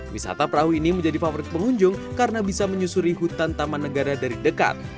wisata perahu ini menjadi favorit pengunjung karena bisa menyusuri hutan taman negara dari dekat